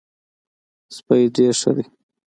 سپی ډېر ښه دی.